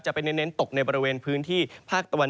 ก็คือบริเวณอำเภอเมืองอุดรธานีนะครับ